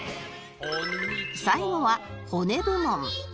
最後は骨部門